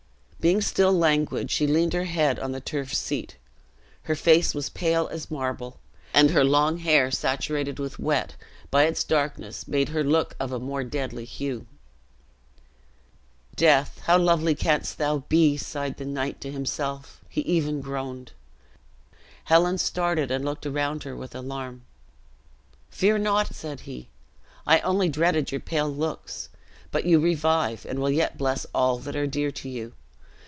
Being still languid, she leaned her head on the turf seat. Her face was pale as marble, and her long hair, saturated with wet, by its darkness made her look of a more deadly hue. "Death! how lovely canst thou be!" sighed the knight to himself he even groaned. Helen started, and looked around her with alarm. "Fear not," said he, "I only dreaded your pale looks; but you revive, and will yet bless all that are dear to you.